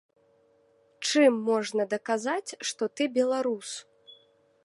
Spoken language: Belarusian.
Чым можна даказаць, што ты беларус?